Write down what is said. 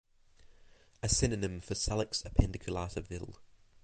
A synonym for Salix appendiculata Vill.